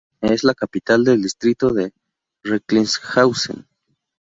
Es la capital del distrito de Recklinghausen.